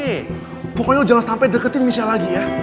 oke pokoknya lo jangan sampai deketin nisa lagi ya